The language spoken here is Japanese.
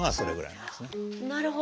なるほど。